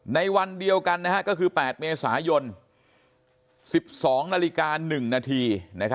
ในวันเดียวกันก็คือ๘เมษายน๑๒นาฬิกา๑นาที